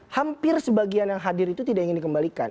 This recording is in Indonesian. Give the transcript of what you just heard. hampir sebagian yang hadir itu tidak ingin dikembalikan